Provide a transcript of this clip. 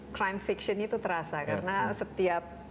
crime fiction itu terasa karena setiap